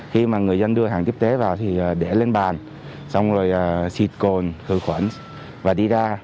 khi mà người dân đưa hàng tiếp tế vào thì để lên bàn xong rồi xịt cồn khử khuẩn và đi ra